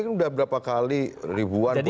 ini kan udah berapa kali ribuan kali